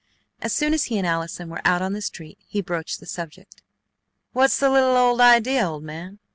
As soon as he and Allison were out on the street he broached the subject: "What's the little old idea, old man?